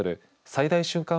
最大瞬間